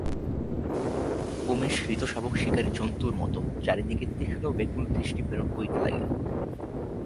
উমেশ হৃতশাবক শিকারি জন্তুর মতো চারি দিকে তীক্ষ্ম ব্যাকুল দৃষ্টি প্রেরণ করিতে লাগিল।